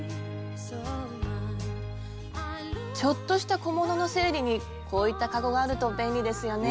ちょっとした小物の整理にこういったかごがあると便利ですよね。